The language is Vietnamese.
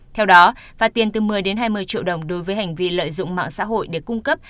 theo đó phạt tiền từ một mươi đến hai mươi triệu đồng đối với hành vi lợi dụng mạng xã hội để cung cấp